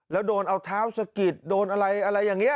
แล้วโดนเอาเท้าสะกิดโดนอะไรอะไรอย่างนี้